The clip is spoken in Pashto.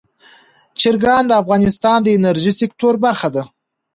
چرګان د افغانستان د انرژۍ سکتور برخه ده.